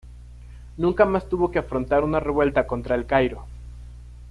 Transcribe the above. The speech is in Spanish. Nunca más tuvo que afrontar una revuelta contra El Cairo.